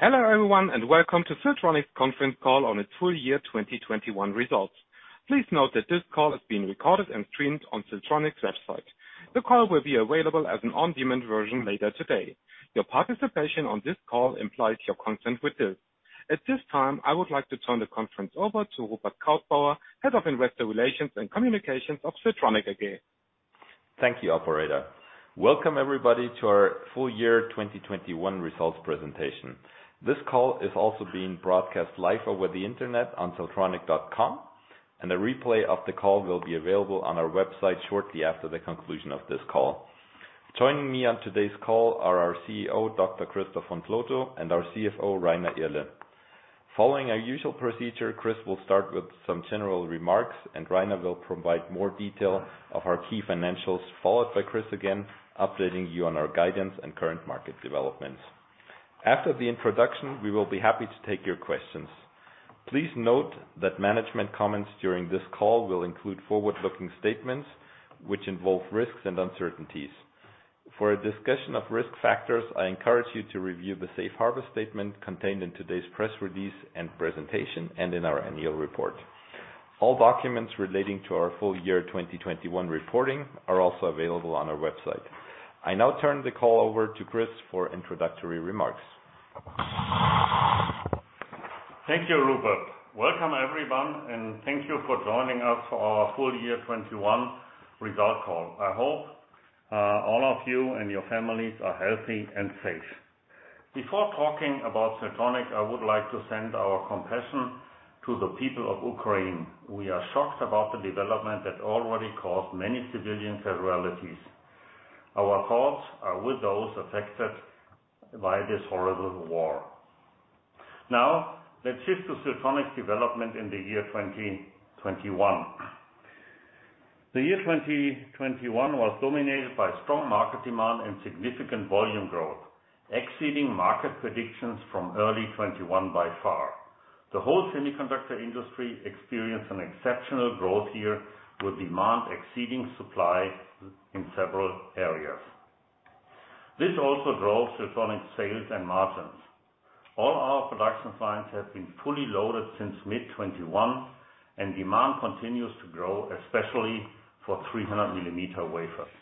Hello everyone! And welcome to Siltronic's conference call on its full year 2021 results. Please note that this call is being recorded and streamed on Siltronic's website. The call will be available as an on-demand version later today. Your participation on this call implies your consent with this. At this time, I would like to turn the conference over to Rupert Krautbauer, Head of Investor Relations and Communications of Siltronic AG. Thank you, operator. Welcome everybody to our full year 2021 results presentation. This call is also being broadcast live over the internet on siltronic.com, and a replay of the call will be available on our website shortly after the conclusion of this call. Joining me on today's call are our CEO, Dr. Christoph von Plotho, and our CFO, Rainer Irle. Following our usual procedure, Chris will start with some general remarks and Rainer will provide more detail of our key financials, followed by Chris again, updating you on our guidance and current market developments. After the introduction, we will be happy to take your questions. Please note that management comments during this call will include forward-looking statements which involve risks and uncertainties. For a discussion of risk factors, I encourage you to review the safe harbor statement contained in today's press release and presentation and in our annual report. All documents relating to our full year 2021 reporting are also available on our website. I now turn the call over to Chris for introductory remarks. Thank you, Rupert. Welcome everyone, and thank you for joining us for our full year 2021 result call. I hope all of you and your families are healthy and safe. Before talking about Siltronic, I would like to send our compassion to the people of Ukraine. We are shocked about the development that already caused many civilian casualties. Our thoughts are with those affected by this horrible war. Now, let's shift to Siltronic's development in the year 2021. The year 2021 was dominated by strong market demand and significant volume growth, exceeding market predictions from early 2021 by far. The whole semiconductor industry experienced an exceptional growth year, with demand exceeding supply in several areas. This also drove Siltronic sales and margins. All our production plants have been fully loaded since mid-2021, and demand continues to grow, especially for 300mm wafers.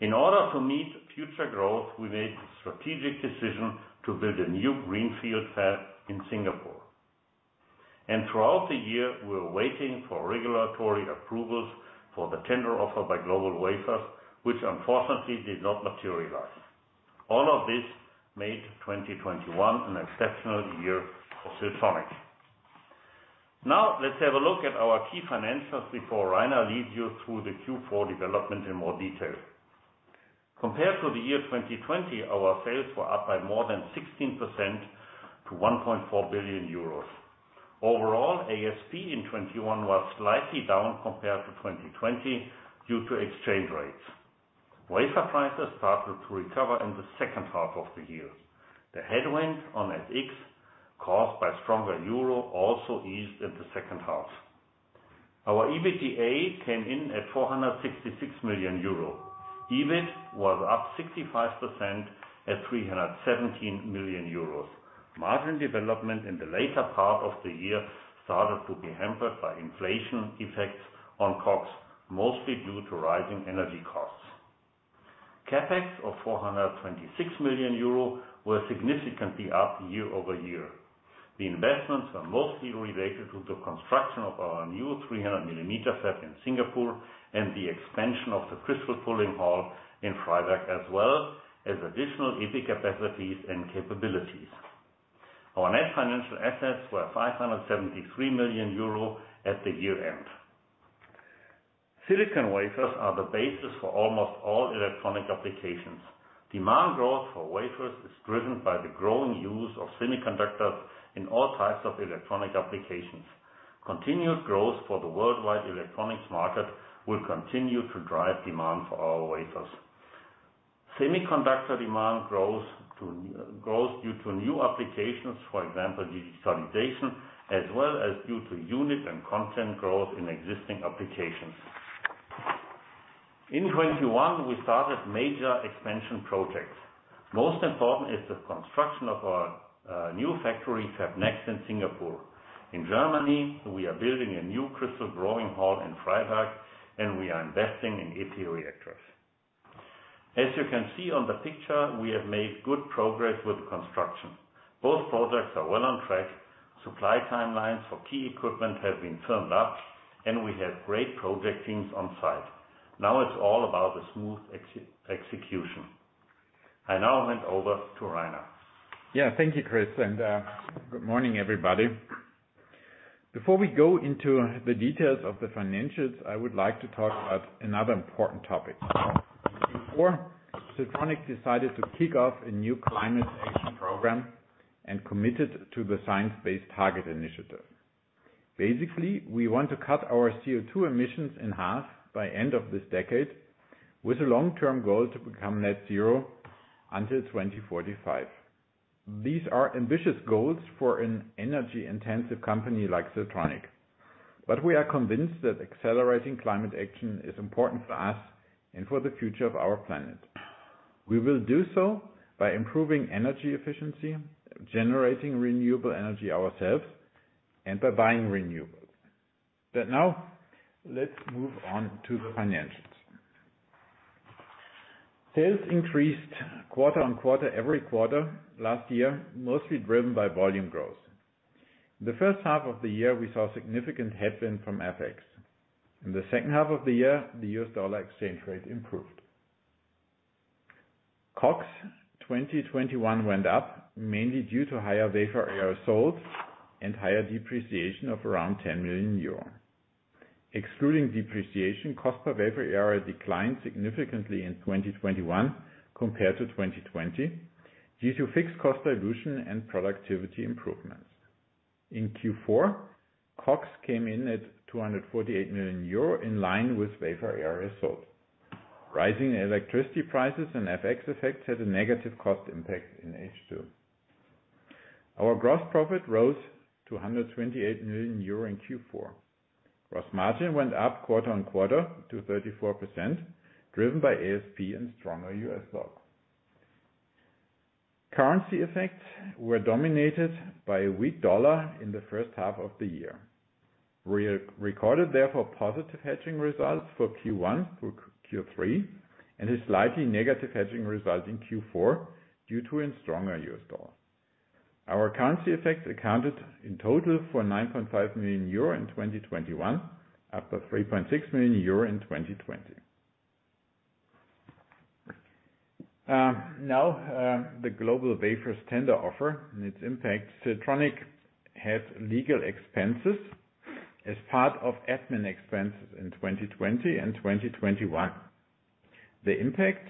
In order to meet future growth, we made the strategic decision to build a new greenfield fab in Singapore. Throughout the year, we were waiting for regulatory approvals for the tender offer by GlobalWafers, which unfortunately did not materialize. All of this made 2021 an exceptional year for Siltronic. Now, let's have a look at our key financials before Rainer leads you through the Q4 development in more detail. Compared to the year 2020, our sales were up by more than 16% to 1.4 billion euros. Overall, ASP in 2021 was slightly down compared to 2020 due to exchange rates. Wafer prices started to recover in the H2 of the year. The headwind on FX, caused by stronger euro, also eased in the H2. Our EBITDA came in at 466 million euro. EBIT was up 65% at 317 million euros. Margin development in the later part of the year started to be hampered by inflation effects on COGS, mostly due to rising energy costs. CapEx of 426 million euro was significantly up year-over-year. The investments are mostly related to the construction of our new 300 mm fab in Singapore and the expansion of the crystal pulling hall in Freiberg, as well as additional EPI capacities and capabilities. Our net financial assets were 573 million euro at the year-end. Silicon wafers are the basis for almost all electronic applications. Demand growth for wafers is driven by the growing use of semiconductors in all types of electronic applications. Continued growth for the worldwide electronics market will continue to drive demand for our wafers. Semiconductor demand grows due to new applications, for example, digitalization, as well as due to unit and content growth in existing applications. In 2021, we started major expansion projects. Most important is the construction of our new factory FabNext in Singapore. In Germany, we are building a new crystal growing hall in Freiberg, and we are investing in EPI reactors. As you can see on the picture, we have made good progress with the construction. Both projects are well on track. Supply timelines for key equipment have been firmed up, and we have great project teams on site. Now it's all about the smooth execution. I now hand over to Rainer. Yeah, thank you, Chris, and good morning, everybody. Before we go into the details of the financials, I would like to talk about another important topic. Before, Siltronic decided to kick off a new climate action program and committed to the Science Based Targets initiative. Basically, we want to cut our CO2 emissions in half by end of this decade with a long-term goal to become net zero until 2045. These are ambitious goals for an energy-intensive company like Siltronic. We are convinced that accelerating climate action is important for us and for the future of our planet. We will do so by improving energy efficiency, generating renewable energy ourselves, and by buying renewables. Now let's move on to the financials. Sales increased quarter-on-quarter every quarter last year, mostly driven by volume growth. The first half of the year, we saw significant headwind from FX. In the H2 of the year, the US dollar exchange rate improved. COGS 2021 went up mainly due to higher wafer area sold and higher depreciation of around 10 million euro. Excluding depreciation, cost per wafer area declined significantly in 2021 compared to 2020 due to fixed cost dilution and productivity improvements. In Q4, COGS came in at 248 million euro, in line with wafer area sold. Rising electricity prices and FX effects had a negative cost impact in H2. Our gross profit rose to 128 million euro in Q4. Gross margin went up quarter on quarter to 34%, driven by ASP and stronger US dollar. Currency effects were dominated by a weak dollar in the first half of the year. We recorded therefore positive hedging results for Q1 through Q3 and a slightly negative hedging result in Q4 due to a stronger US dollar. Our currency effects accounted in total for 9.5 million euro in 2021, up by 3.6 million euro in 2020. The GlobalWafers tender offer and its impact. Siltronic had legal expenses as part of admin expenses in 2020 and 2021. The impact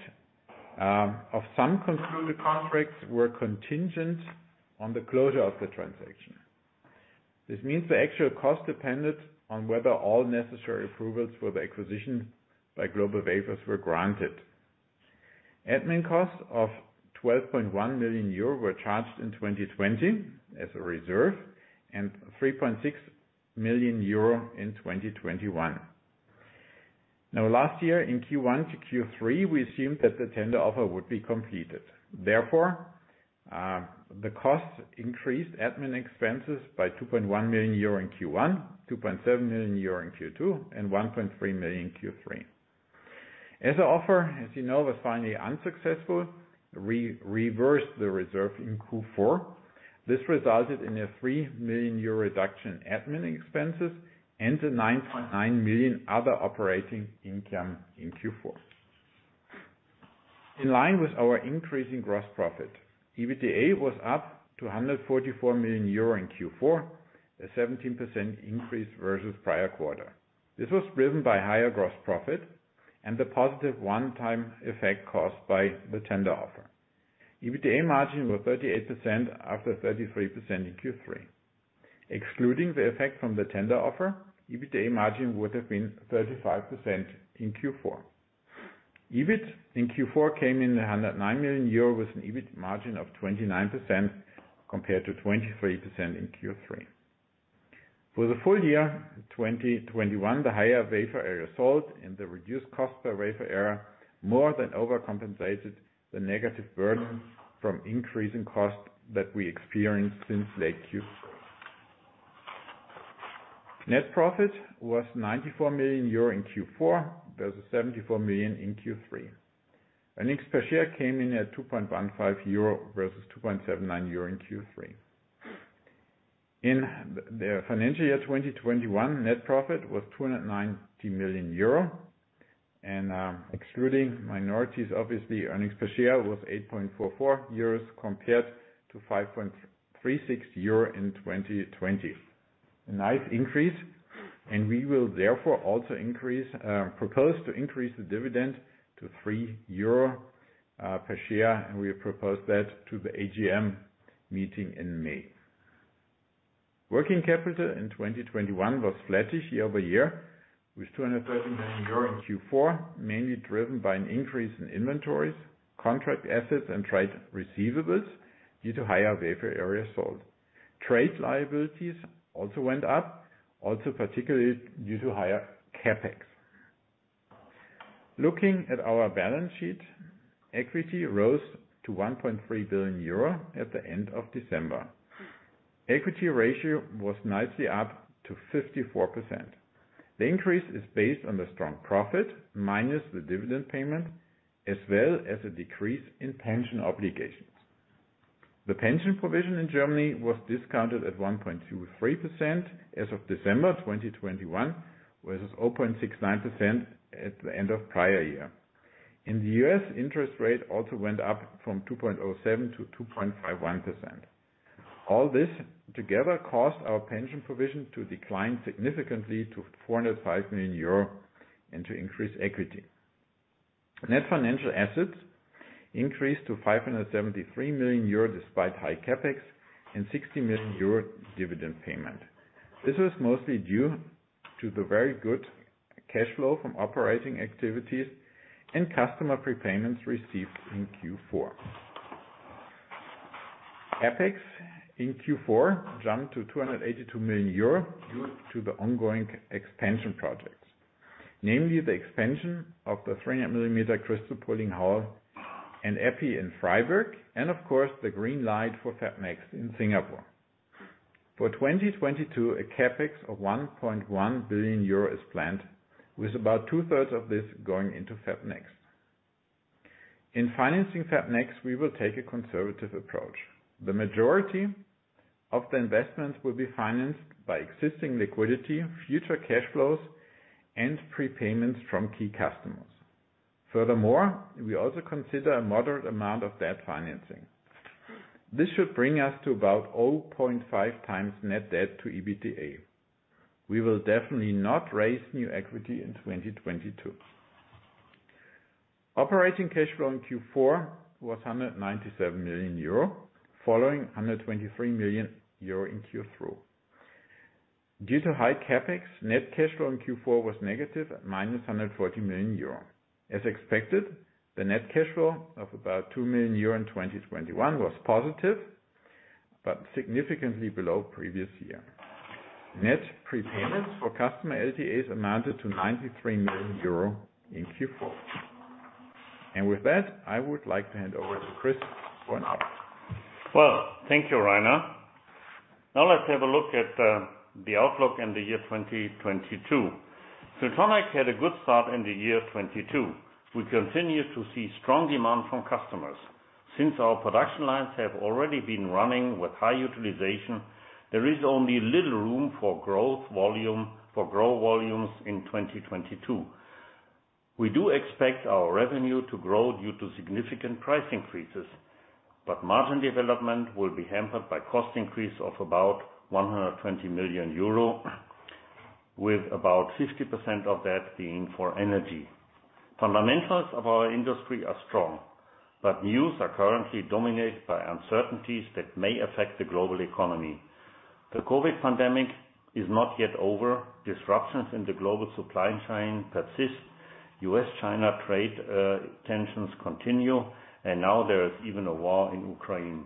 of some concluded contracts were contingent on the closure of the transaction. This means the actual cost depended on whether all necessary approvals for the acquisition by GlobalWafers were granted. Admin costs of 12.1 million euro were charged in 2020 as a reserve and 3.6 million euro in 2021. Now, last year in Q1 to Q3, we assumed that the tender offer would be completed. Therefore, the costs increased admin expenses by 2.1 million euro in Q1, 2.7 million euro in Q2, and 1.3 million in Q3. As the offer, as you know, was finally unsuccessful, we reversed the reserve in Q4. This resulted in a 3 million euro reduction in admin expenses and a 9.9 million other operating income in Q4. In line with our increasing gross profit, EBITDA was up to 144 million euro in Q4, a 17% increase versus prior quarter. This was driven by higher gross profit and the positive one-time effect caused by the tender offer. EBITDA margin was 38% after 33% in Q3. Excluding the effect from the tender offer, EBITDA margin would have been 35% in Q4. EBIT in Q4 came in 109 million euro with an EBIT margin of 29% compared to 23% in Q3. For the full year 2021, the higher wafer area sold and the reduced cost per wafer area more than overcompensated the negative burdens from increasing costs that we experienced since late Q4. Net profit was 94 million euro in Q4 versus 74 million in Q3. Earnings per share came in at 2.15 euro versus 2.79 euro in Q3. In the financial year 2021, net profit was 290 million euro. Excluding minorities, obviously, earnings per share was 8.44 euros compared to 5.36 euro in 2020. A nice increase, and we will therefore also propose to increase the dividend to 3 euro per share, and we propose that to the AGM meeting in May. Working capital in 2021 was flattish year-over-year with 230 million euro in Q4, mainly driven by an increase in inventories, contract assets, and trade receivables due to higher wafer area sold. Trade liabilities also went up, also particularly due to higher CapEx. Looking at our balance sheet, equity rose to 1.3 billion euro at the end of December. Equity ratio was nicely up to 54%. The increase is based on the strong profit minus the dividend payment, as well as a decrease in pension obligations. The pension provision in Germany was discounted at 1.23% as of December 2021, versus 0.69% at the end of prior year. In the U.S., interest rate also went up from 2.07% to 2.51%. All this together caused our pension provision to decline significantly to 405 million euro and to increase equity. Net financial assets increased to 573 million euro, despite high CapEx and 60 million euro dividend payment. This was mostly due to the very good cash flow from operating activities and customer prepayments received in Q4. CapEx in Q4 jumped to 282 million euro due to the ongoing expansion projects. Namely the expansion of the 300mm crystal pulling hall and EPI in Freiberg, and of course, the green light for FabNext in Singapore. For 2022, a CapEx of 1.1 billion euro is planned, with about two-thirds of this going into FabNext. In financing FabNext, we will take a conservative approach. The majority of the investments will be financed by existing liquidity, future cash flows, and prepayments from key customers. Furthermore, we also consider a moderate amount of debt financing. This should bring us to about 0.5 times net debt to EBITDA. We will definitely not raise new equity in 2022. Operating cash flow in Q4 was 197 million euro, following 123 million euro in Q3. Due to high CapEx, net cash flow in Q4 was negative at -140 million euro. As expected, the net cash flow of about 2 million euro in 2021 was positive, but significantly below previous year. Net prepayments for customer LTAs amounted to 93 million euro in Q4. With that, I would like to hand over to Chris for an update. Well, thank you, Rainer. Now let's have a look at the outlook in the year 2022. Siltronic had a good start in the year 2022. We continue to see strong demand from customers. Since our production lines have already been running with high utilization, there is only little room for growth volumes in 2022. We do expect our revenue to grow due to significant price increases, but margin development will be hampered by cost increase of about 120 million euro, with about 50% of that being for energy. Fundamentals of our industry are strong, but news are currently dominated by uncertainties that may affect the global economy. The COVID pandemic is not yet over. Disruptions in the global supply chain persist. U.S.-China trade tensions continue, and now there is even a war in Ukraine.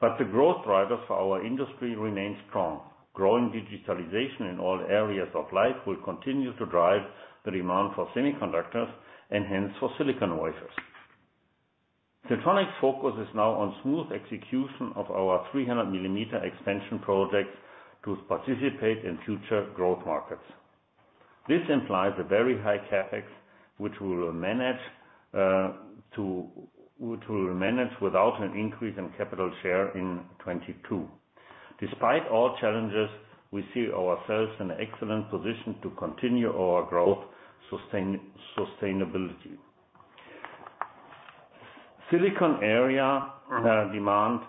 The growth drivers for our industry remain strong. Growing digitalization in all areas of life will continue to drive the demand for semiconductors and hence for silicon wafers. Siltronic's focus is now on smooth execution of our 300-millimeter expansion projects to participate in future growth markets. This implies a very high CapEx, which we'll manage to manage without an increase in capital share in 2022. Despite all challenges, we see ourselves in an excellent position to continue our growth sustainability. Silicon area demand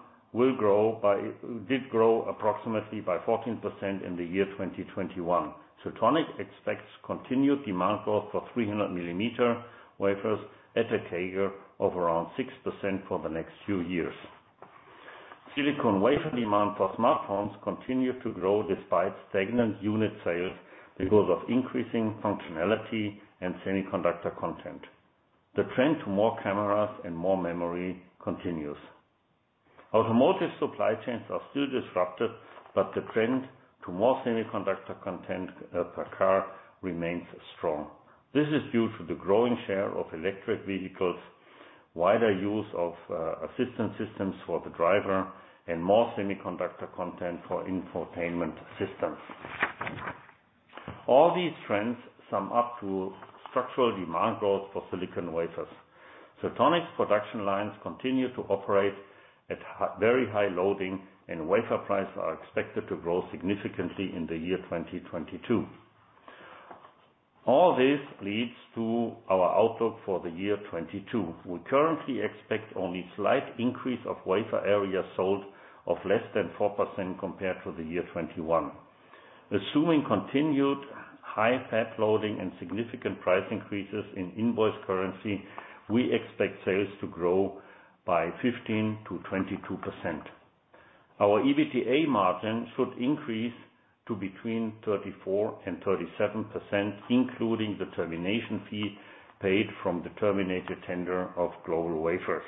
did grow approximately by 14% in the year 2021. Siltronic expects continued demand growth for 300-millimeter wafers at a CAGR of around 6% for the next few years. Silicon wafer demand for smartphones continue to grow despite stagnant unit sales because of increasing functionality and semiconductor content. The trend to more cameras and more memory continues. Automotive supply chains are still disrupted, but the trend to more semiconductor content per car remains strong. This is due to the growing share of electric vehicles, wider use of assistance systems for the driver, and more semiconductor content for infotainment systems. All these trends sum up to structural demand growth for silicon wafers. Siltronic's production lines continue to operate at very high loading, and wafer prices are expected to grow significantly in the year 2022. All this leads to our outlook for the year 2022. We currently expect only slight increase of wafer areas sold of less than 4% compared to the year 2021. Assuming continued high fab loading and significant price increases in invoice currency, we expect sales to grow by 15%-22%. Our EBITDA margin should increase to between 34%-37%, including the termination fee paid from the terminated tender of GlobalWafers.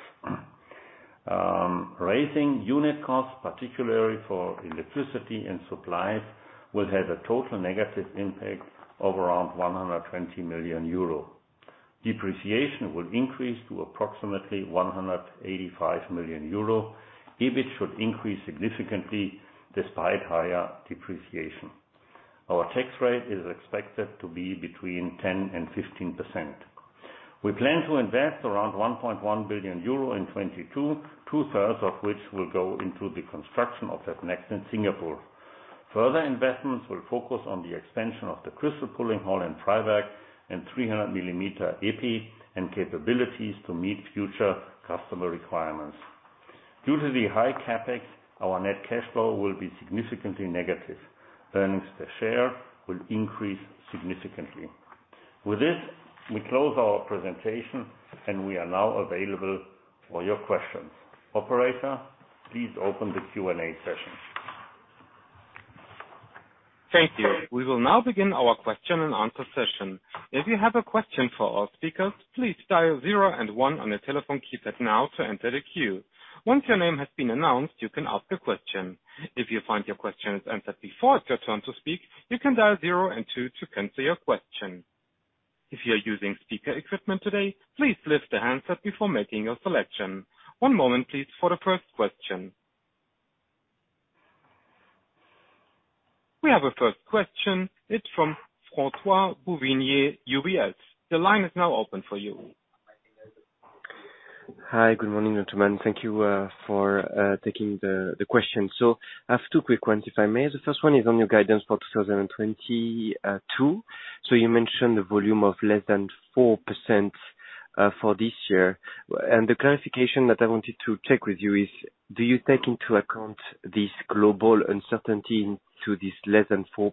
Raising unit costs, particularly for electricity and supplies, will have a total negative impact of around 120 million euro. Depreciation will increase to approximately 185 million euro. EBIT should increase significantly despite higher depreciation. Our tax rate is expected to be between 10%-15%. We plan to invest around 1.1 billion euro in 2022, two-thirds of which will go into the construction of FabNext in Singapore. Further investments will focus on the expansion of the crystal pulling hall in Freiberg and 300mm EPI capabilities to meet future customer requirements. Due to the high CapEx, our net cash flow will be significantly negative. Earnings per share will increase significantly. With this, we close our presentation and we are now available for your questions. Operator, please open the Q&A session. Thank you. We will now begin our question-and-answer session. If you have a question for our speakers, please dial zero and one on your telephone keypad now to enter the queue. Once your name has been announced, you can ask a question. If you find your question is answered before it's your turn to speak, you can dial zero and two to cancel your question. If you are using speaker equipment today, please lift the handset before making your selection. One moment please for the first question. We have a first question. It's from François-Xavier Bouvignies, UBS. The line is now open for you. Hi, good morning, gentlemen. Thank you for taking the question. I have two quick ones, if I may. The first one is on your guidance for 2022. You mentioned the volume of less than 4% for this year. The clarification that I wanted to check with you is, do you take into account this global uncertainty to this less than 4%?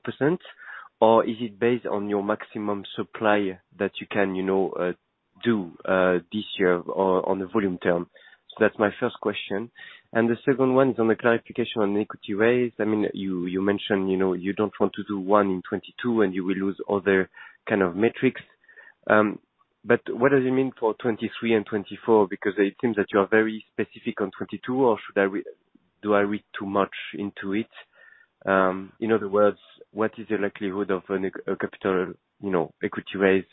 Or is it based on your maximum supply that you can, you know, do this year on the volume term? That's my first question. The second one is on the clarification on equity raise. I mean, you mentioned, you know, you don't want to do one in 2022, and you will lose other kind of metrics. What does it mean for 2023 and 2024? Because it seems that you are very specific on 2022, or do I read too much into it? In other words, what is the likelihood of a capital, you know, equity raise,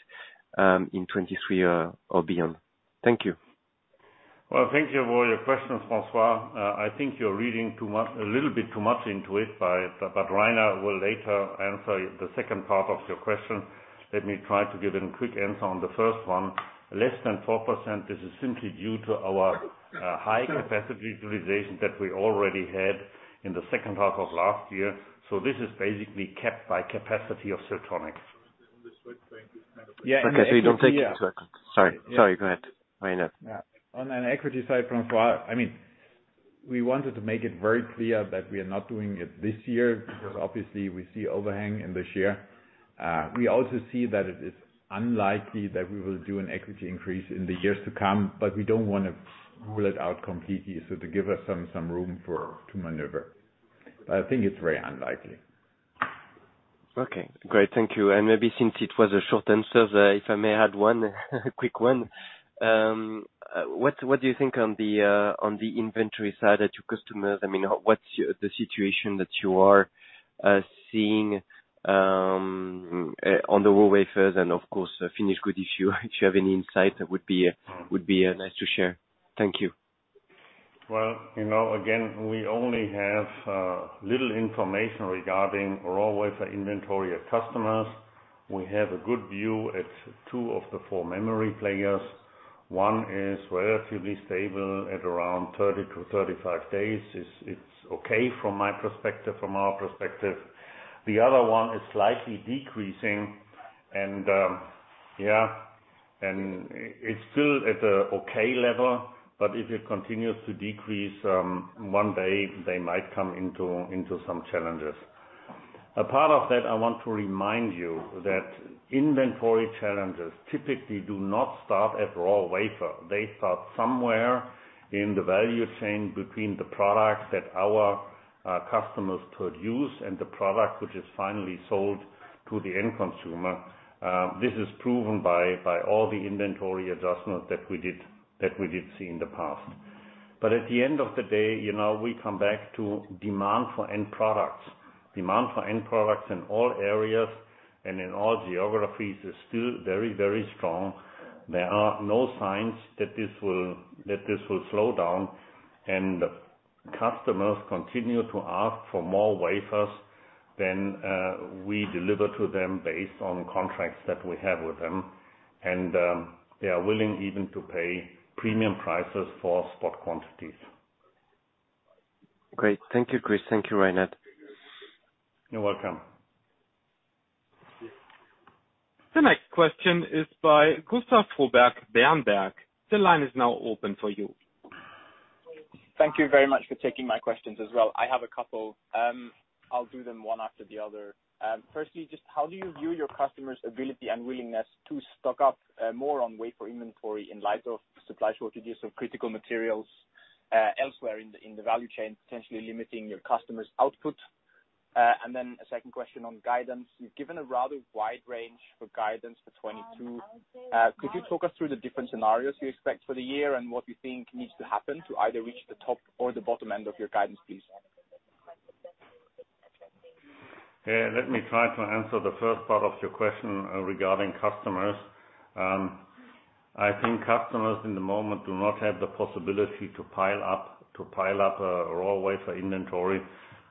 in 2023 or beyond? Thank you. Well, thank you for your questions, François. I think you're reading too much, a little bit too much into it, but Rainer will later answer the second part of your question. Let me try to give a quick answer on the first one. Less than 4%, this is simply due to our high capacity utilization that we already had in the H2 of last year. This is basically capped by capacity of Siltronic. Sorry, go ahead. On an equity side, François, I mean, we wanted to make it very clear that we are not doing it this year because obviously we see overhang in this year. We also see that it is unlikely that we will do an equity increase in the years to come, but we don't wanna rule it out completely, so to give us some room to maneuver. I think it's very unlikely. Okay, great. Thank you. Maybe since it was a short answer, if I may add one quick one. I mean, what's the situation that you are seeing on the raw wafers and of course, finished good issue? If you have any insight, that would be nice to share. Thank you. Well, you know, again, we only have little information regarding raw wafer inventory at customers. We have a good view at two of the four memory players. One is relatively stable at around 30-35 days. It's okay from my perspective, from our perspective. The other one is slightly decreasing. It's still at an okay level, but if it continues to decrease, one day they might come into some challenges. Apart from that, I want to remind you that inventory challenges typically do not start at raw wafer. They start somewhere in the value chain between the products that our customers could use and the product which is finally sold to the end consumer. This is proven by all the inventory adjustments that we did see in the past. At the end of the day, you know, we come back to demand for end products. Demand for end products in all areas and in all geographies is still very, very strong. There are no signs that this will slow down, and customers continue to ask for more wafers than we deliver to them based on contracts that we have with them. They are willing even to pay premium prices for spot quantities. Great. Thank you, Chris. Thank you, Rainer. You're welcome. The next question is by Gustav Froberg, Berenberg. The line is now open for you. Thank you very much for taking my questions as well. I have a couple. I'll do them one after the other. Firstly, just how do you view your customers' ability and willingness to stock up, more on wafer inventory in light of supply shortages of critical materials, elsewhere in the value chain, potentially limiting your customers' output? A second question on guidance. You've given a rather wide range for guidance for 2022. Could you talk us through the different scenarios you expect for the year and what you think needs to happen to either reach the top or the bottom end of your guidance, please? Yeah, let me try to answer the first part of your question regarding customers. I think customers in the moment do not have the possibility to pile up a raw wafer inventory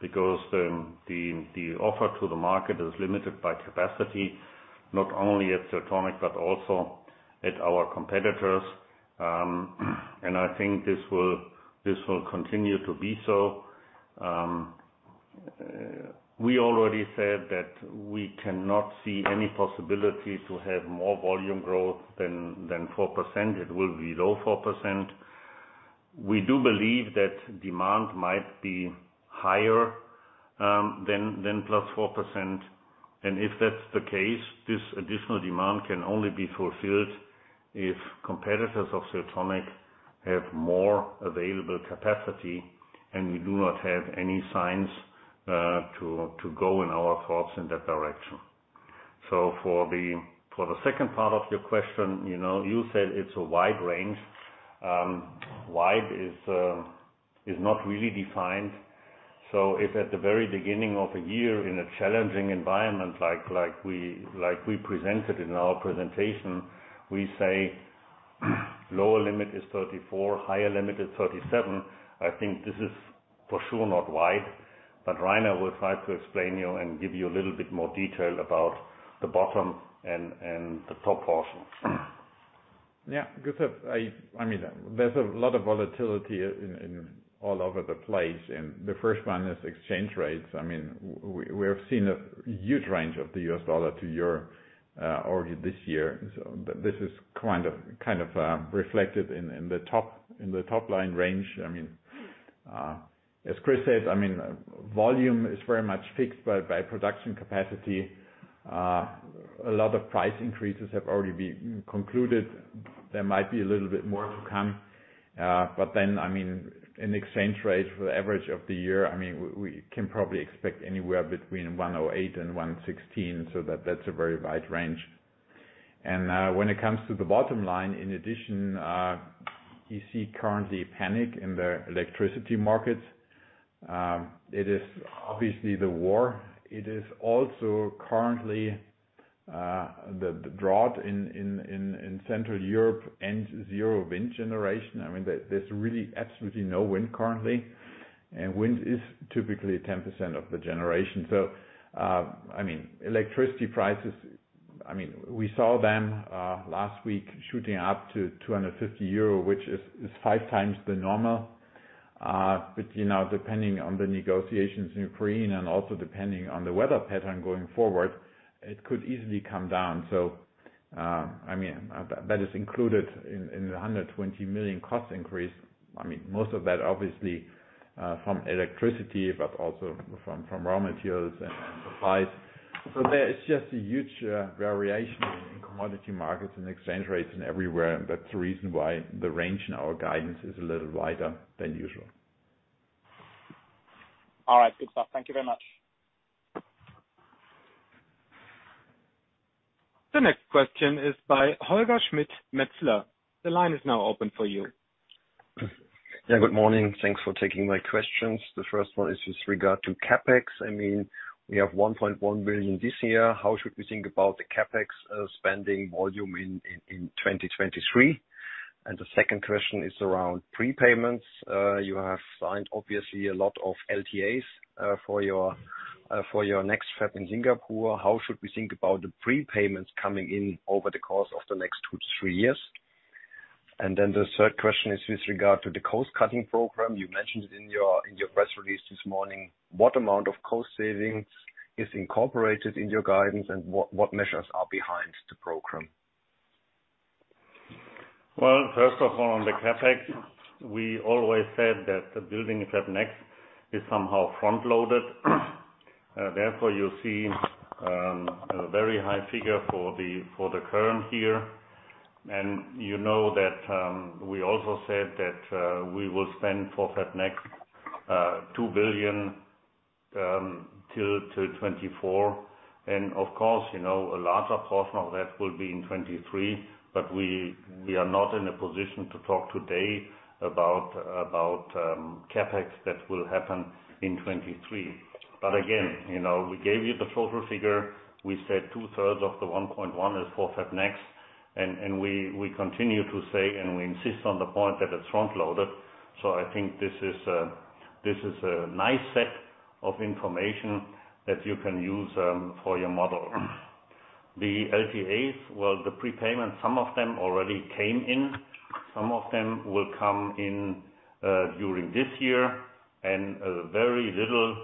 because the offer to the market is limited by capacity, not only at Siltronic, but also at our competitors. I think this will continue to be so. We already said that we cannot see any possibility to have more volume growth than 4%. It will be low 4%. We do believe that demand might be higher than plus 4%. If that's the case, this additional demand can only be fulfilled if competitors of Siltronic have more available capacity, and we do not have any signs to go in our thoughts in that direction. For the second part of your question, you know, you said it's a wide range. Wide is not really defined. If at the very beginning of a year in a challenging environment like we presented in our presentation, we say lower limit is 34%, higher limit is 37%. I think this is for sure not wide. Rainer will try to explain to you and give you a little bit more detail about the bottom and the top portion. Yeah. Because I mean, there's a lot of volatility in all over the place. The first one is exchange rates. I mean, we have seen a huge range of the U.S. dollar to euro already this year. This is kind of reflected in the top line range. I mean, as Chris said, I mean, volume is very much fixed by production capacity. A lot of price increases have already been concluded. There might be a little bit more to come. I mean, in exchange rates for the average of the year, I mean, we can probably expect anywhere between 1.08-1.16, so that's a very wide range. When it comes to the bottom line, in addition, you see currently panic in the electricity markets. It is obviously the war. It is also currently the drought in Central Europe and zero wind generation. I mean, there's really absolutely no wind currently, and wind is typically 10% of the generation. Electricity prices, I mean, we saw them last week shooting up to 250 euro, which is five times the normal. You know, depending on the negotiations in Ukraine and also depending on the weather pattern going forward, it could easily come down. That is included in the 120 million cost increase. I mean, most of that obviously from electricity, but also from raw materials and supplies. There is just a huge variation in commodity markets and exchange rates and everywhere. That's the reason why the range in our guidance is a little wider than usual. All right. Good stuff. Thank you very much. The next question is by Holger Schmidt, Metzler. The line is now open for you. Yeah, good morning. Thanks for taking my questions. The first one is with regard to CapEx. I mean, we have 1.1 billion this year. How should we think about the CapEx spending volume in 2023? The second question is around prepayments. You have signed obviously a lot of LTAs for your next fab in Singapore. How should we think about the prepayments coming in over the course of the next two to three years? The third question is with regard to the cost-cutting program. You mentioned it in your press release this morning. What amount of cost savings is incorporated in your guidance, and what measures are behind the program? Well, first of all, on the CapEx, we always said that the building of FabNext is somehow front-loaded. Therefore, you see a very high figure for the current year. You know that we also said that we will spend for FabNext EUR 2 billion till 2024. Of course, you know, a larger portion of that will be in 2023, but we are not in a position to talk today about CapEx that will happen in 2023. Again, you know, we gave you the total figure. We said two-thirds of the 1.1 billion is for FabNext. We continue to say and we insist on the point that it's front-loaded. I think this is a nice set of information that you can use for your model. The LTAs, well, the prepayment, some of them already came in, some of them will come in during this year, and a very little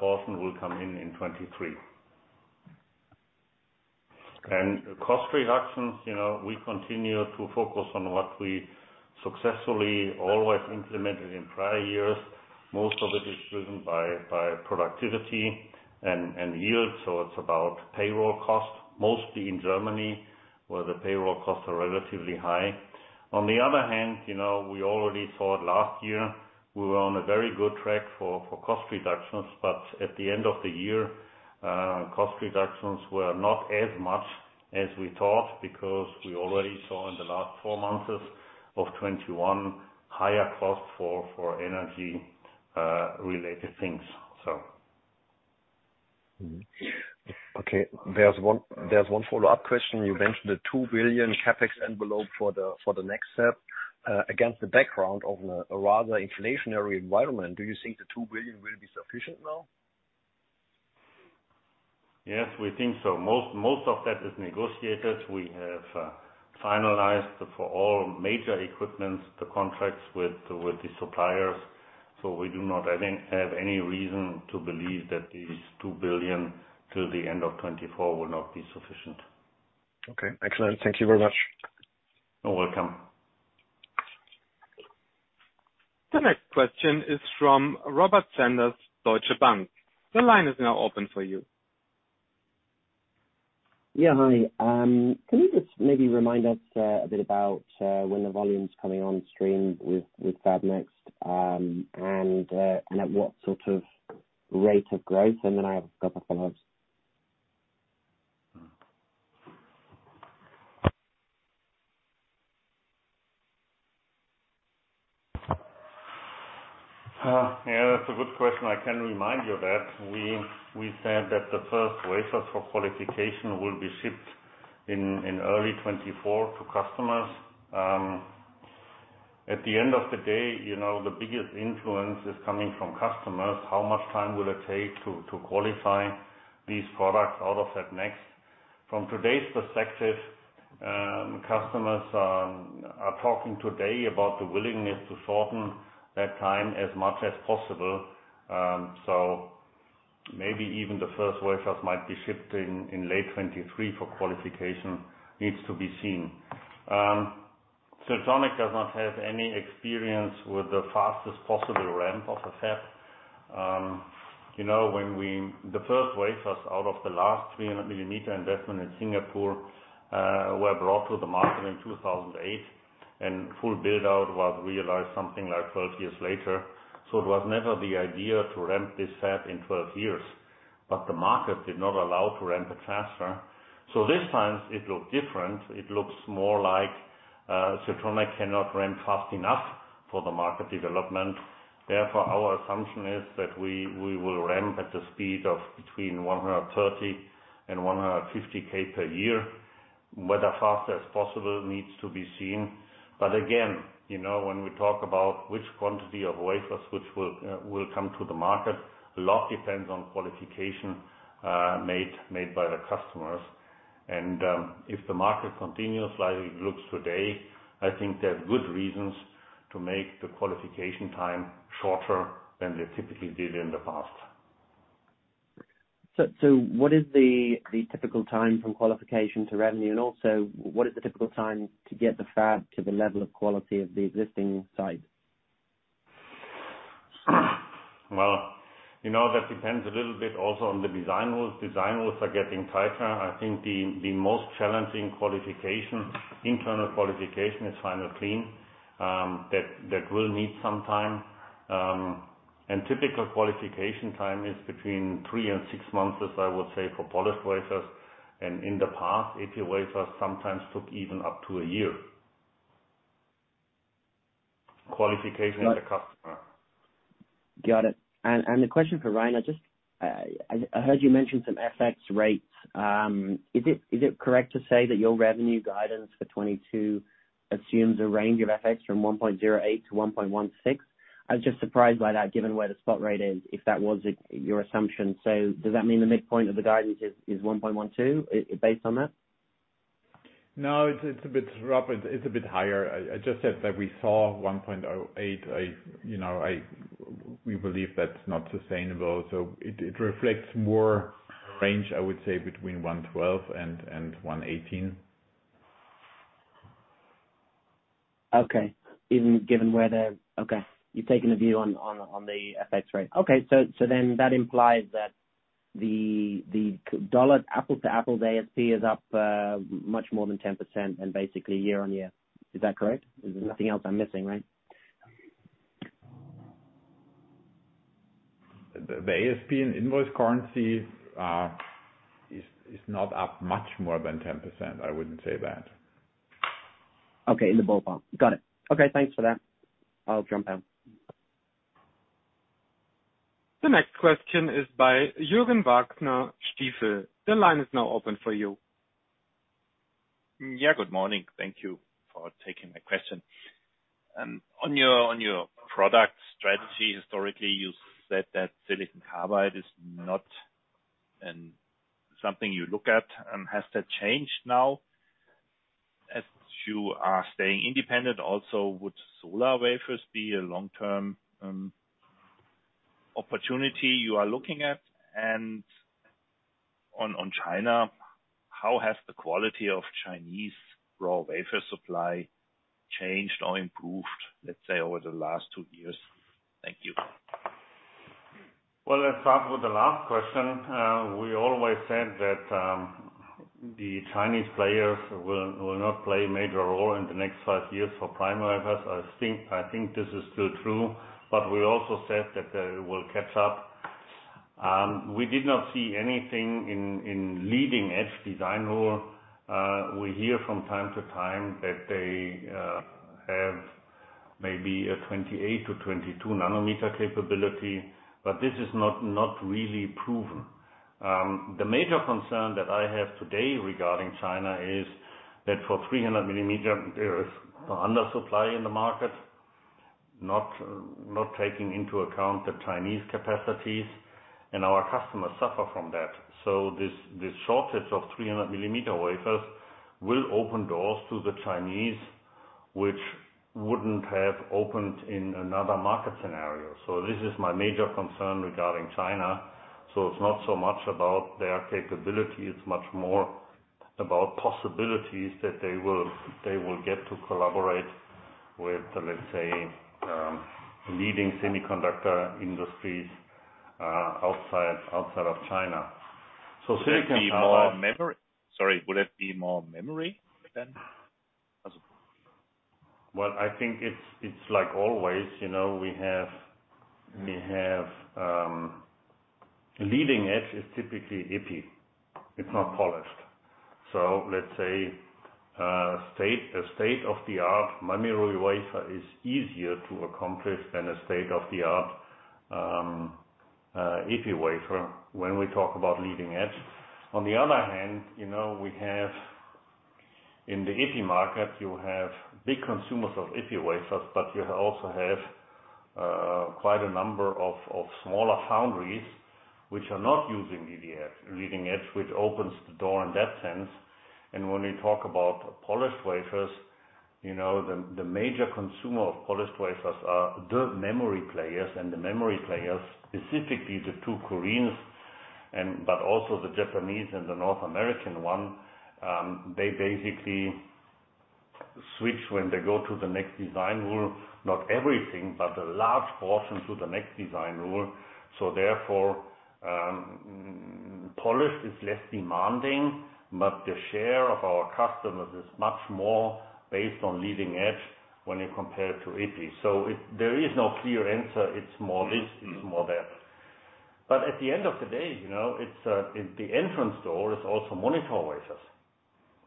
portion will come in in 2023. Cost reductions, you know, we continue to focus on what we successfully always implemented in prior years. Most of it is driven by productivity and yield. It's about payroll costs, mostly in Germany, where the payroll costs are relatively high. On the other hand, you know, we already saw it last year, we were on a very good track for cost reductions. At the end of the year, cost reductions were not as much as we thought because we already saw in the last four months of 2021 higher cost for energy related things. Okay, there's one follow-up question. You mentioned the 2 billion CapEx envelope for the next step. Against the background of a rather inflationary environment, do you think the 2 billion will be sufficient now? Yes, we think so. Most of that is negotiated. We have finalized for all major equipment the contracts with the suppliers. We do not, I think, have any reason to believe that 2 billion till the end of 2024 will not be sufficient. Okay, excellent. Thank you very much. You're welcome. The next question is from Robert Sanders, Deutsche Bank. The line is now open for you. Yeah, hi. Can you just maybe remind us a bit about when the volume's coming on stream with FabNext, and at what sort of rate of growth? Then I have a couple follows. Yeah, that's a good question. I can remind you that we said that the first wafers for qualification will be shipped in early 2024 to customers. At the end of the day, you know, the biggest influence is coming from customers. How much time will it take to qualify these products out of FabNext? From today's perspective, customers are talking today about the willingness to shorten that time as much as possible. Maybe even the first wafers might be shipped in late 2023 for qualification. Needs to be seen. Siltronic does not have any experience with the fastest possible ramp of a fab. You know, the first wafers out of the last 300mm investment in Singapore were brought to the market in 2008, and full build-out was realized something like 12 years later. It was never the idea to ramp this fab in 12 years, but the market did not allow to ramp it faster. This time it looked different. It looks more like Siltronic cannot ramp fast enough for the market development. Therefore, our assumption is that we will ramp at the speed of between 130 and 150K per year. Whether fast as possible needs to be seen. But again, you know, when we talk about which quantity of wafers will come to the market, a lot depends on qualification made by the customers. If the market continues like it looks today, I think there are good reasons to make the qualification time shorter than they typically did in the past. What is the typical time from qualification to revenue? Also what is the typical time to get the fab to the level of quality of the existing site? Well, you know, that depends a little bit also on the design rules. Design rules are getting tighter. I think the most challenging qualification, internal qualification is final clean, that will need some time. Typical qualification time is between 3 and 6 months, as I would say, for polished wafers. In the past, epi wafers sometimes took even up to a year. Qualification of the customer. Got it. The question for Rainer Irle, I just heard you mention some FX rates. Is it correct to say that your revenue guidance for 2022 assumes a range of FX 1.08-1.16? I was just surprised by that, given where the spot rate is, if that was your assumption. Does that mean the midpoint of the guidance is 1.12, based on that? No, it's a bit rough. It's a bit higher. I just said that we saw 1.08. You know, we believe that's not sustainable, so it reflects more range, I would say, between 1.12 and 1.18. Okay. You've taken a view on the FX rate. Okay. That implies that the constant-dollar apples to apples ASP is up much more than 10% and basically year-on-year. Is that correct? There's nothing else I'm missing, right? The ASP in invoice currency is not up much more than 10%. I wouldn't say that. Okay. In the ballpark. Got it. Okay. Thanks for that. I'll jump out. The next question is by Jürgen Wagner, Stifel. The line is now open for you. Yeah, good morning. Thank you for taking my question. On your product strategy, historically, you said that silicon carbide is not something you look at. Has that changed now as you are staying independent? Also, would solar wafers be a long-term opportunity you are looking at? On China, how has the quality of Chinese raw wafer supply changed or improved, let's say, over the last two years? Thank you. Well, let's start with the last question. We always said that the Chinese players will not play a major role in the next 5 years for prime wafers. I think this is still true, but we also said that they will catch up. We did not see anything in leading-edge design rule. We hear from time to time that they have maybe a 28- to 22-nanometer capability, but this is not really proven. The major concern that I have today regarding China is that for 300 millimeter, there is an undersupply in the market, not taking into account the Chinese capacities, and our customers suffer from that. This shortage of 300 millimeter wafers will open doors to the Chinese, which wouldn't have opened in another market scenario. This is my major concern regarding China. It's not so much about their capability, it's much more about possibilities that they will get to collaborate with, let's say, leading semiconductor industries outside of China. Silicon- Would that be more memory? Sorry, would it be more memory then? Well, I think it's like always, you know, we have leading edge is typically epi, it's not polished. So let's say a state-of-the-art memory wafer is easier to accomplish than a state-of-the-art epi wafer when we talk about leading edge. On the other hand, you know, we have in the epi market, you have big consumers of epi wafers, but you also have quite a number of smaller foundries which are not using leading edge, which opens the door in that sense. When we talk about polished wafers, you know, the major consumer of polished wafers are the memory players, and the memory players, specifically the two Koreans and but also the Japanese and the North American one, they basically switch when they go to the next design rule, not everything, but a large portion to the next design rule. Therefore, polished is less demanding, but the share of our customers is much more based on leading edge when you compare it to epi. There is no clear answer. It's more this, it's more that. At the end of the day, you know, it's the entrance door is also monitor wafers.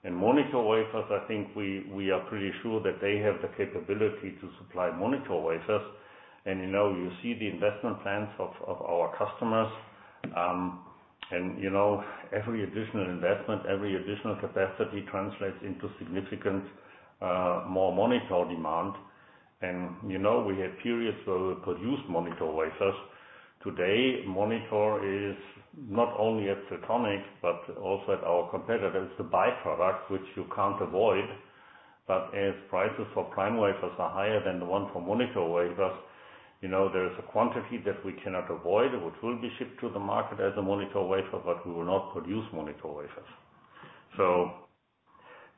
Monitor wafers, I think we are pretty sure that they have the capability to supply monitor wafers. You know, you see the investment plans of our customers, and you know, every additional investment, every additional capacity translates into significant more monitor demand. You know, we had periods where we produced monitor wafers. Today, monitor is not only at Siltronic, but also at our competitors, the by-products, which you can't avoid. As prices for prime wafers are higher than the one for monitor wafers, you know, there is a quantity that we cannot avoid, which will be shipped to the market as a monitor wafer, but we will not produce monitor wafers.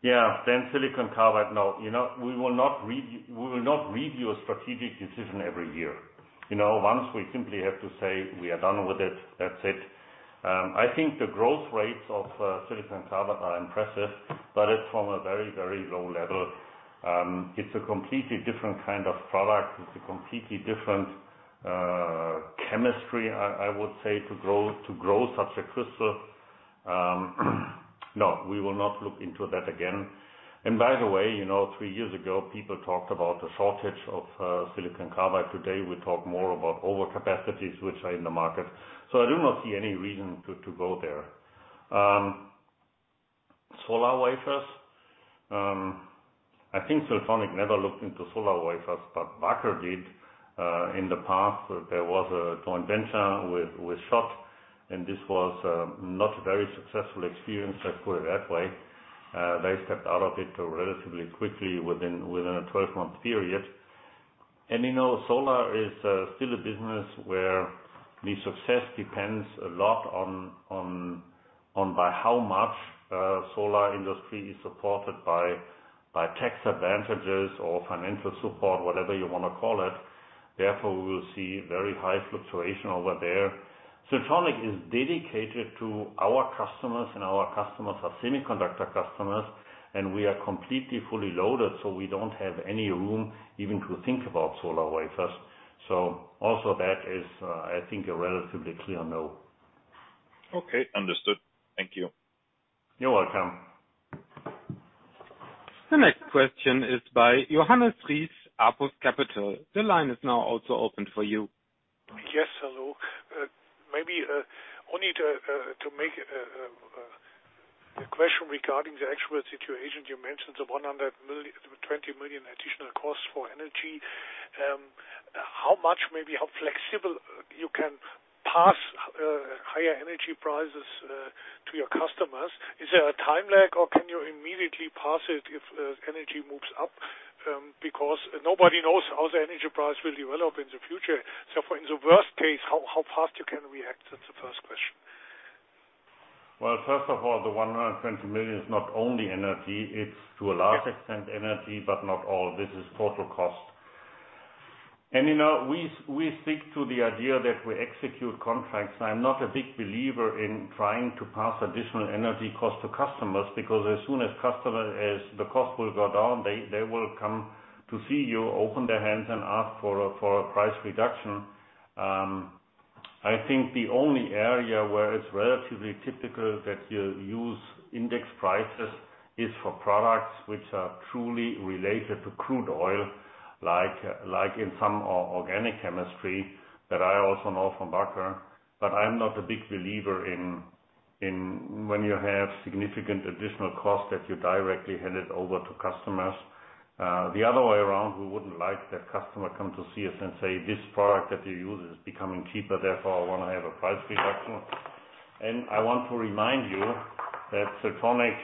Yeah, then silicon carbide. No, you know, we will not review a strategic decision every year. You know, once we simply have to say we are done with it, that's it. I think the growth rates of silicon carbide are impressive, but it's from a very low level. It's a completely different kind of product. It's a completely different chemistry, I would say, to grow such a crystal. No, we will not look into that again. By the way, you know, three years ago, people talked about a shortage of silicon carbide. Today, we talk more about overcapacities which are in the market. I do not see any reason to go there. Solar wafers. I think Siltronic never looked into solar wafers, but Wacker did in the past. There was a joint venture with SCHOTT, and this was not a very successful experience, let's put it that way. They stepped out of it relatively quickly within a 12-month period. You know, solar is still a business where the success depends a lot on by how much solar industry is supported by tax advantages or financial support, whatever you wanna call it. Therefore, we will see very high fluctuation over there. Siltronic is dedicated to our customers, and our customers are semiconductor customers, and we are completely fully loaded, so we don't have any room even to think about solar wafers. Also that is, I think, a relatively clear no. Okay. Understood. Thank you. You're welcome. The next question is by Johannes Ries, APUS Capital. The line is now also open for you. Yes, hello. Maybe only to make a question regarding the actual situation. You mentioned the 20 million additional costs for energy. How much, maybe how flexible you can pass higher energy prices to your customers? Is there a time lag or can you immediately pass it if energy moves up? Because nobody knows how the energy price will develop in the future. In the worst case, how fast you can react? That's the first question. Well, first of all, the 120 million is not only energy, it's to a large extent energy, but not all. This is total cost. You know, we stick to the idea that we execute contracts. I'm not a big believer in trying to pass additional energy cost to customers, because as soon as the cost will go down, they will come to see you, open their hands and ask for a price reduction. I think the only area where it's relatively typical that you use index prices is for products which are truly related to crude oil, like in some organic chemistry that I also know from Wacker. I'm not a big believer in when you have significant additional cost that you directly hand it over to customers. The other way around, we wouldn't like that customer come to see us and say, "This product that you use is becoming cheaper, therefore I wanna have a price reduction." I want to remind you that Siltronic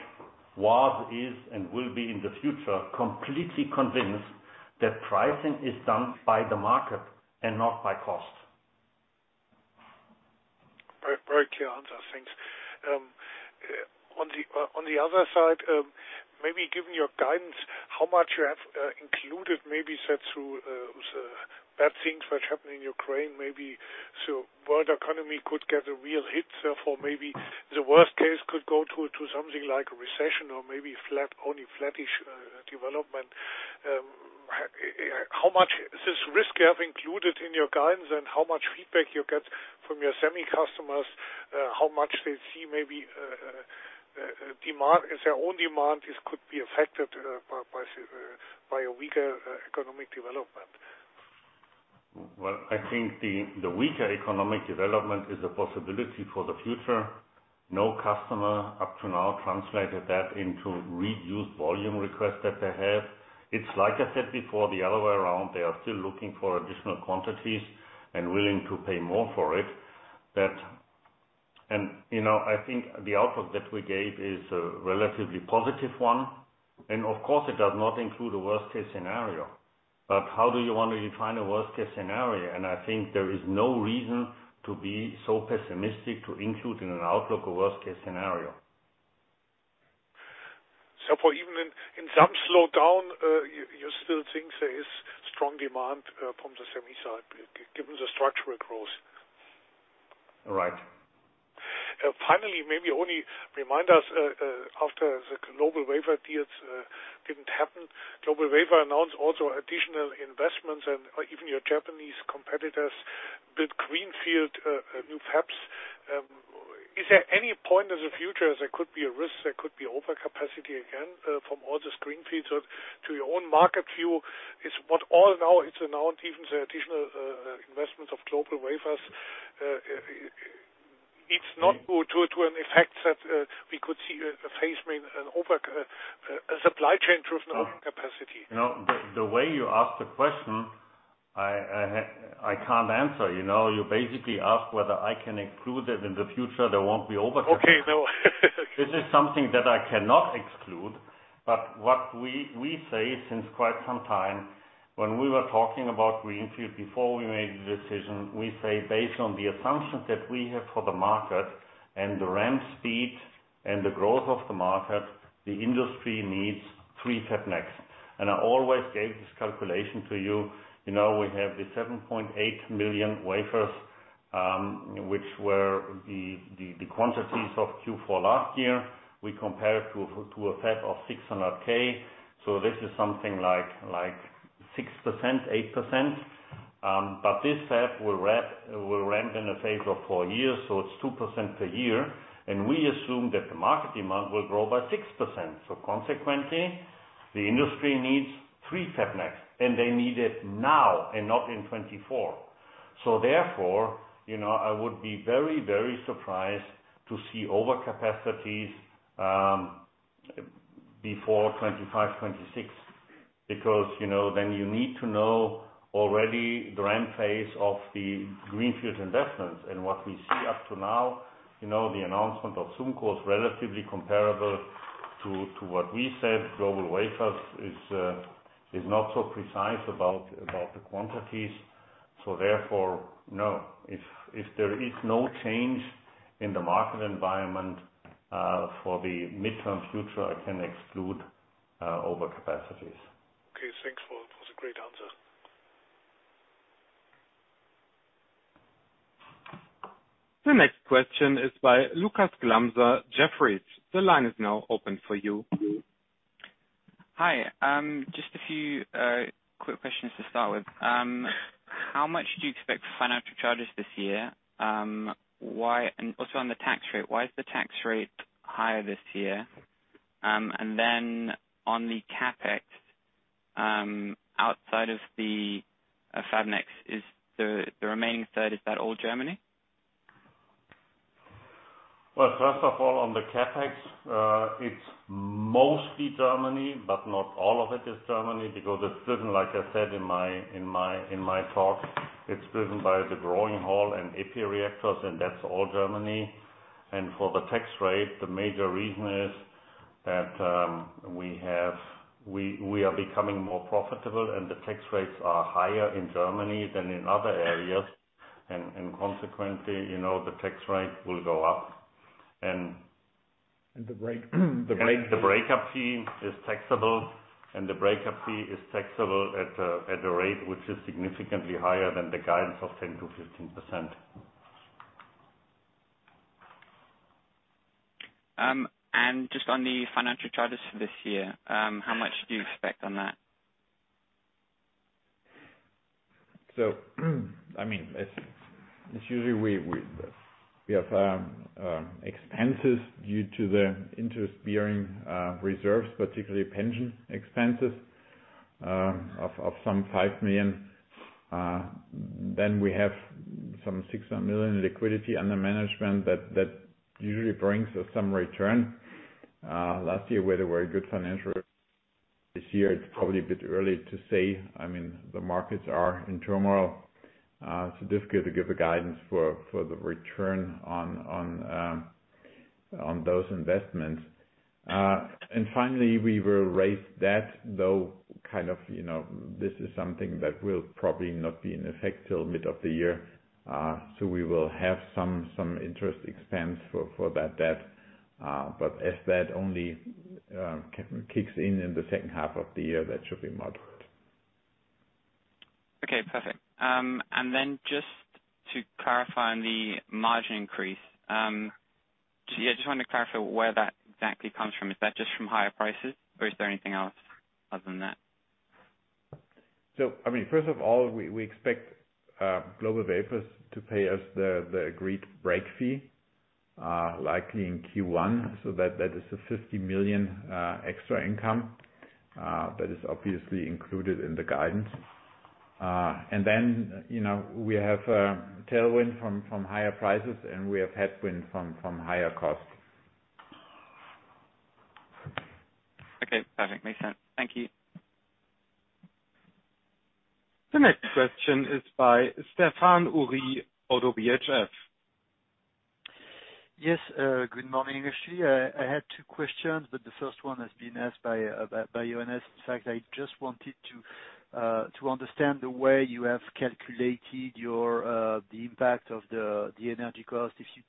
was, is, and will be in the future, completely convinced that pricing is done by the market and not by cost. Very, very clear answer. Thanks. On the other side, maybe given your guidance, how much you have included, maybe set through those bad things which happen in Ukraine, maybe. World economy could get a real hit, for maybe the worst case could go to something like a recession or maybe flat, only flattish development. How much this risk you have included in your guidance and how much feedback you get from your semi customers, how much they see maybe demand if their own demand could be affected by a weaker economic development? Well, I think the weaker economic development is a possibility for the future. No customer up to now translated that into reduced volume request that they have. It's like I said before, the other way around, they are still looking for additional quantities and willing to pay more for it. You know, I think the output that we gave is a relatively positive one. Of course it does not include a worst case scenario. How do you want to define a worst case scenario? I think there is no reason to be so pessimistic to include in an outlook a worst case scenario. Even in some slowdown, you still think there is strong demand from the semi side given the structural growth? Right. Finally, maybe only remind us, after the GlobalWafers deals didn't happen, GlobalWafers announced also additional investments and even your Japanese competitors build greenfield new fabs. Is there any point in the future there could be a risk there could be overcapacity again, from all these greenfields? To your own market view, is what all now is announced, even the additional investments of GlobalWafers, it's not to an effect that we could see a phase mainly of over-supply-chain-driven overcapacity? No. The way you ask the question, I can't answer, you know. You basically ask whether I can exclude that in the future, there won't be overcapacity. Okay. No. This is something that I cannot exclude. What we say since quite some time, when we were talking about greenfield before we made the decision, we say based on the assumptions that we have for the market and the ramp speed and the growth of the market, the industry needs 3 Fab Max. I always gave this calculation to you. You know, we have the 7.8 million wafers, which were the quantities of Q4 last year. We compare it to a fab of 600K. This is something like 6%-8%. This fab will ramp in a phase of 4 years, so it's 2% per year. We assume that the market demand will grow by 6%. Consequently, the industry needs three FabNext, and they need it now and not in 2024. I would be very, very surprised to see overcapacities before 2025, 2026, because, you know, then you need to know already the ramp phase of the greenfield investments. What we see up to now, you know, the announcement of SUMCO is relatively comparable to what we said. GlobalWafers is not so precise about the quantities. No. If there is no change in the market environment for the midterm future, I can exclude overcapacities. Okay. It was a great answer. The next question is by Lukas Glamza, Jefferies. The line is now open for you. Hi. Just a few quick questions to start with. How much do you expect for financial charges this year? Also on the tax rate, why is the tax rate higher this year? On the CapEx, outside of the FabNext, is the remaining third all Germany? Well, first of all, on the CapEx, it's mostly Germany, but not all of it is Germany because, like I said in my talk, it's driven by the growing hall and EPI reactors, and that's all Germany. For the tax rate, the major reason is that we are becoming more profitable and the tax rates are higher in Germany than in other areas. Consequently, you know, the tax rate will go up. And the break, the break- The breakup fee is taxable at a rate which is significantly higher than the guidance of 10%-15%. Just on the financial charges for this year, how much do you expect on that? I mean, it's usually we have expenses due to the interest-bearing reserves, particularly pension expenses, of some 5 million. Then we have some 6 million in liquidity under management that usually brings us some return. Last year we had a very good financial. This year it's probably a bit early to say. I mean, the markets are in turmoil. It's difficult to give a guidance for the return on those investments. And finally, we will raise that, though, kind of, you know, this is something that will probably not be in effect till mid of the year. We will have some interest expense for that debt. As that only kicks in in the H2 of the year, that should be moderate. Okay, perfect. Just to clarify on the margin increase, yeah, just wanted to clarify where that exactly comes from. Is that just from higher prices or is there anything else other than that? I mean, first of all, we expect GlobalWafers to pay us the agreed break fee likely in Q1. That is 50 million extra income that is obviously included in the guidance. You know, we have tailwind from higher prices and we have headwind from higher costs. Okay, perfect. Makes sense. Thank you. The next question is by Stephan Ury, ODDO BHF. Yes, good morning, actually. I had two questions, but the first one has been asked by Jonas. In fact, I just wanted to understand the way you have calculated the impact of the energy cost, if you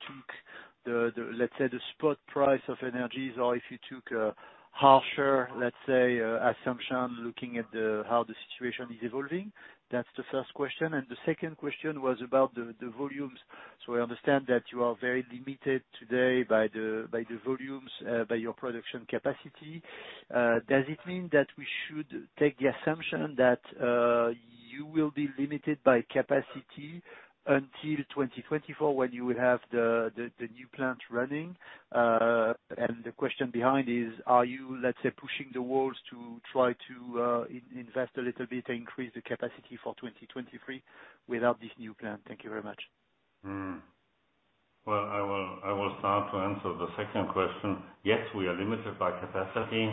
took the spot price of energy or if you took a harsher assumption, looking at how the situation is evolving. That's the first question. The second question was about the volumes. I understand that you are very limited today by the volumes by your production capacity. Does it mean that we should take the assumption that you will be limited by capacity until 2024, when you will have the new plant running? The question behind is, are you, let's say, pushing the walls to try to invest a little bit to increase the capacity for 2023 without this new plant? Thank you very much. Well, I will start to answer the second question. Yes, we are limited by capacity.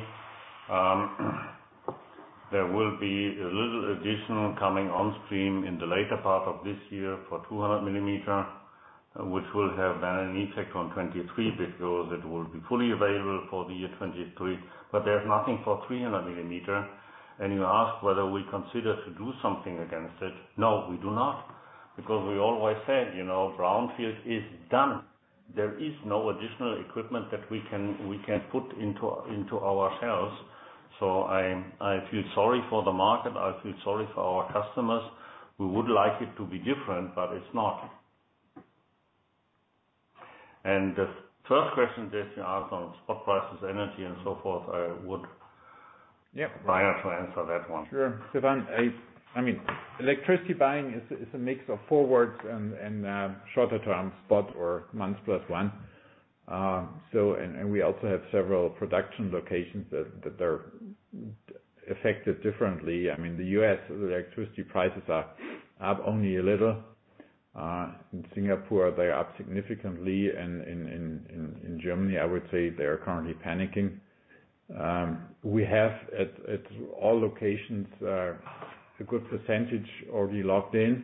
There will be a little additional coming on stream in the later part of this year for 200 mm, which will have an effect on 2023 because it will be fully available for the year 2023. But there's nothing for 300 mm. You ask whether we consider to do something against it. No, we do not. Because we always said, you know, brownfield is done. There is no additional equipment that we can put into ourselves. I feel sorry for the market. I feel sorry for our customers. We would like it to be different, but it's not. The first question that you asked on spot prices, energy and so forth, I would- Yeah. Rainer Irle to answer that one. Sure. Stephan, I mean, electricity buying is a mix of forwards and shorter term spot or months plus one. So we also have several production locations that are affected differently. I mean, the U.S. electricity prices are up only a little. In Singapore, they are up significantly. In Germany, I would say, they are currently panicking. We have at all locations a good percentage already locked in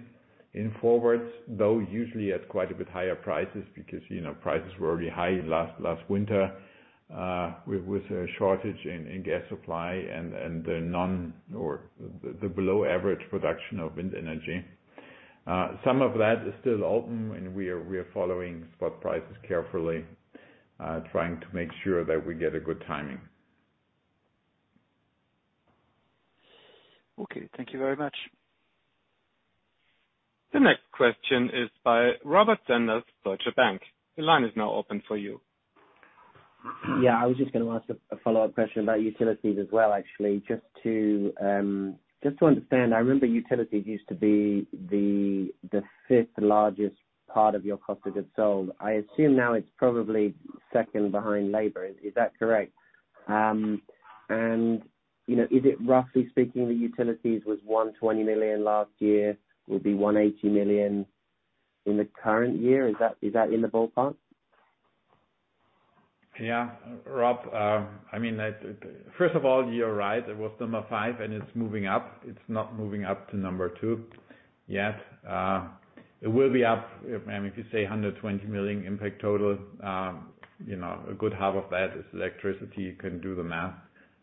forwards, though usually at quite a bit higher prices because you know, prices were already high last winter with a shortage in gas supply and the non- or below average production of wind energy. Some of that is still open and we are following spot prices carefully, trying to make sure that we get a good timing. Okay. Thank you very much. The next question is by Robert Sanders, Deutsche Bank. The line is now open for you. Yeah, I was just gonna ask a follow-up question about utilities as well, actually. Just to understand, I remember utilities used to be the fifth-largest part of your cost of goods sold. I assume now it's probably second behind labor. Is that correct? And, you know, is it roughly speaking, the utilities was 120 million last year, will be 180 million in the current year? Is that in the ballpark? Yeah. Rob, I mean, first of all, you're right, it was number five and it's moving up. It's not moving up to number two yet. It will be up, I mean, if you say 120 million impact total, you know, a good half of that is electricity, you can do the math.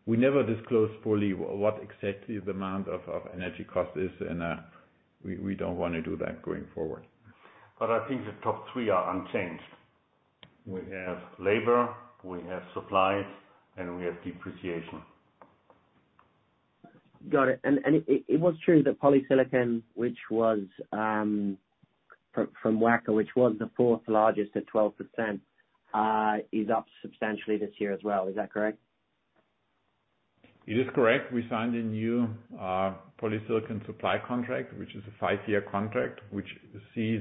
We never disclose fully what exactly the amount of energy cost is and, we don't wanna do that going forward. I think the top three are unchanged. We have labor, we have supplies, and we have depreciation. Got it. It was true that polysilicon, which was from Wacker, which was the fourth largest at 12%, is up substantially this year as well. Is that correct? It is correct. We signed a new polysilicon supply contract, which is a five-year contract, which sees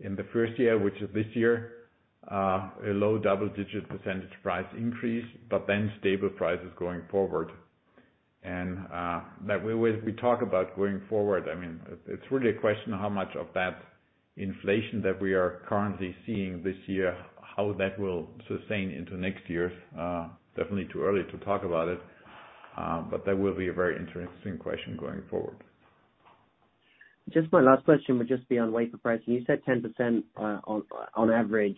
in the first year, which is this year, a low double-digit % price increase, but then stable prices going forward. That we always talk about going forward. I mean, it's really a question of how much of that inflation that we are currently seeing this year, how that will sustain into next year. Definitely too early to talk about it, but that will be a very interesting question going forward. Just my last question would just be on wafer pricing. You said 10%, on average.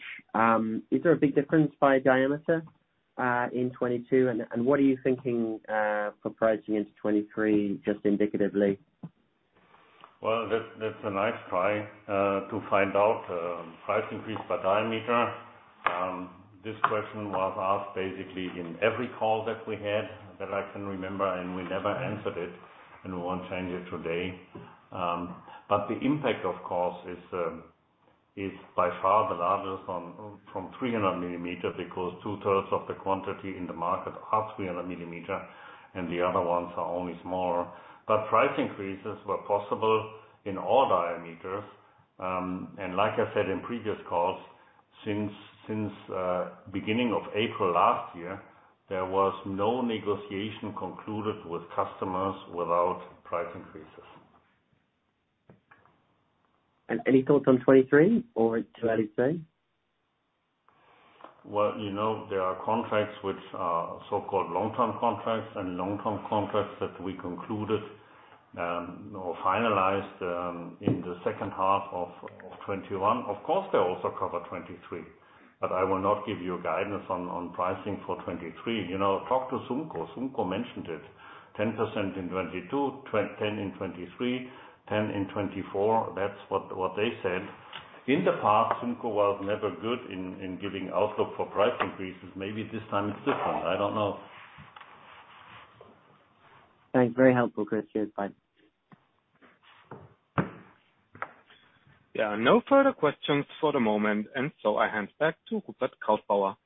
Is there a big difference by diameter in 2022? What are you thinking for pricing into 2023, just indicatively? Well, that's a nice try to find out price increase per diameter. This question was asked basically in every call that we had that I can remember, and we never answered it, and we won't change it today. The impact, of course, is by far the largest from 300mm because two-thirds of the quantity in the market are 300mm, and the other ones are only smaller. Price increases were possible in all diameters. Like I said in previous calls, since beginning of April last year, there was no negotiation concluded with customers without price increases. Any thoughts on 2023 or too early to say? Well, you know, there are contracts which are so-called long-term contracts and long-term contracts that we concluded or finalized in the H2 of 2021. Of course, they also cover 2023, but I will not give you guidance on pricing for 2023. You know, talk to SUMCO. SUMCO mentioned it. 10% in 2022, 10% in 2023, 10% in 2024. That's what they said. In the past, SUMCO was never good in giving outlook for price increases. Maybe this time it's different. I don't know. Thanks. Very helpful, Christian. Bye. There are no further questions for the moment and so I hand back to Rupert Krautbauer.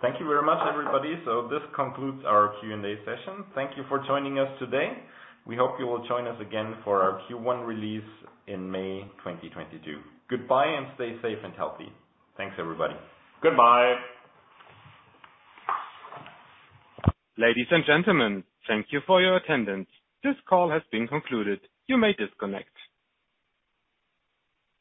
Thank you very much, everybody. This concludes our Q&A session. Thank you for joining us today. We hope you will join us again for our Q1 release in May 2022. Goodbye, and stay safe and healthy. Thanks, everybody. Goodbye. Ladies and gentlemen, thank you for your attendance. This call has been concluded. You may disconnect.